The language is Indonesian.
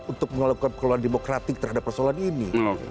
untuk melakukan keluhan demokratik terhadap persoalan ini